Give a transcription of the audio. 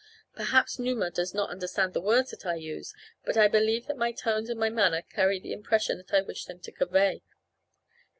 Perhaps Numa does not understand the words that I use but I believe that my tones and my manner carry the impression that I wish them to convey.